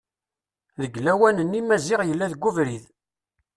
Deg lawan-nni Maziɣ yella deg ubrid.